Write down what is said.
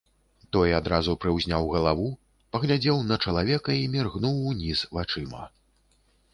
Той адразу прыўзняў галаву, паглядзеў на чалавека і міргнуў уніз вачыма.